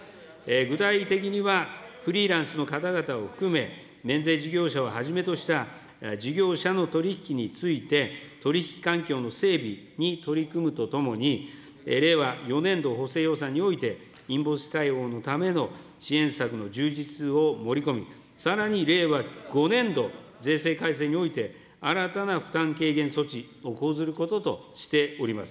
具体的には、フリーランスの方々を含め、免税事業者をはじめとした事業者の取り引きについて、取り引き環境の整備に取り組むとともに、令和４年度補正予算において、インボイス対応のための支援策の充実を盛り込み、さらに令和５年度税制改正において、新たな負担軽減措置を講ずることとしております。